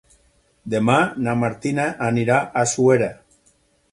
Demà na Martina anirà a Suera.